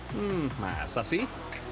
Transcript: hmm masa sih